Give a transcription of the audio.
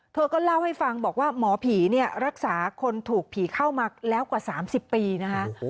เธอก็เล่าให้ฟังบอกว่าหมอผีเนี่ยรักษาคนถูกผีเข้ามาแล้วกว่า๓๐ปีนะคะ